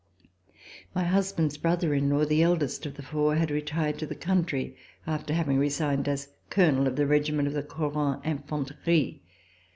My husband's brother in law, the eldest of the four, had retired to the country, after having resigned as Colonel of the regi ment of the Couronne Infanterie.